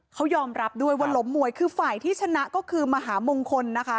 เขายอมรับด้วยว่าล้มมวยคือฝ่ายที่ชนะก็คือมหามงคลนะคะ